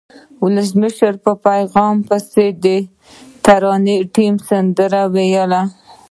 ولسمشر په پیغام پسې د ترانې ټیم سندره وویله.